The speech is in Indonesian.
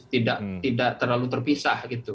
tidak terlalu terpisah